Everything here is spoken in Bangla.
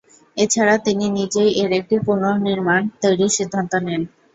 এছাড়া তিনি নিজেই এর একটি পুনর্নির্মাণ তৈরির সিদ্ধান্ত নেন।